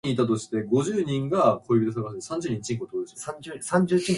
He initially intended the band to have two singers.